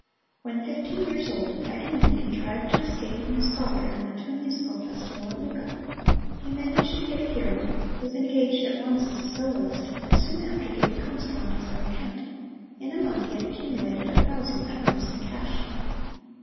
When fifteen years old Paganini contrived to escape from his father and went to a musical festival at Lucca. He managed to get a hearing, was engaged at once as a soloist, and soon after gave a concert on his own account. In a month he had accumulated a thousand pounds in cash.